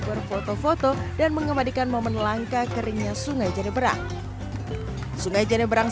berfoto foto dan mengembalikan momen langka keringnya sungai janebrahima sungai janebrahima